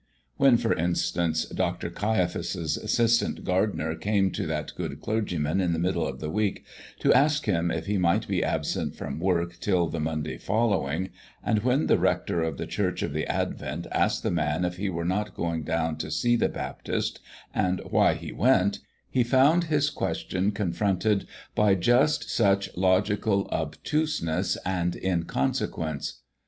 When, for instance, Dr. Caiaphas's assistant gardener came to that good clergyman in the middle of the week to ask him if he might be absent from work till the Monday following, and when the rector of the Church of the Advent asked the man if he were not going down to see the Baptist and why he went, he found his question confronted by just such logical obtuseness and inconsequence.